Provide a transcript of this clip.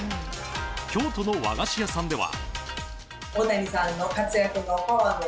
京都の和菓子屋さんでは。